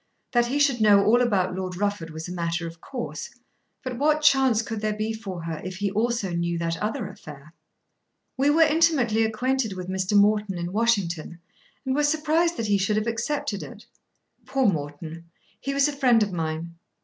That he should know all about Lord Rufford was a matter of course; but what chance could there be for her if he also knew that other affair? "We were intimately acquainted with Mr. Morton in Washington and were surprised that he should have accepted it." "Poor Morton. He was a friend of mine.